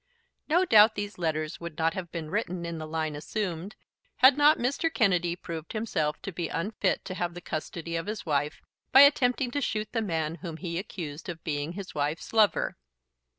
No doubt these letters would not have been written in the line assumed had not Mr. Kennedy proved himself to be unfit to have the custody of his wife by attempting to shoot the man whom he accused of being his wife's lover.